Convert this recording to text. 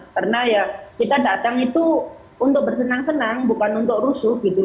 karena ya kita datang itu untuk bersenang senang bukan untuk rusuh gitu